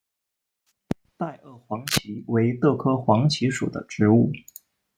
袋萼黄耆为豆科黄芪属的植物。